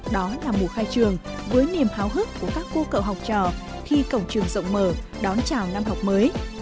đó là mùa khai trường với niềm háo hức của các cô cậu học trò khi cổng trường rộng mở đón chào năm học mới